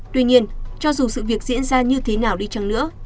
tuy nhiên cho dù sự việc diễn ra như thế nào đi chăng nữa